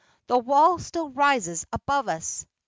The wall still rises above us.